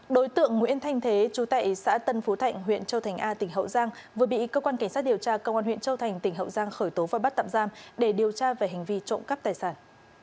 đối tượng nguyễn thanh thế chú tại xã tân phú thạnh huyện châu thành a tỉnh hậu giang vừa bị cơ quan cảnh sát điều tra công an huyện châu thành tỉnh hậu giang khởi tố và bắt tạm giam để điều tra về hành vi trộm cắp tài sản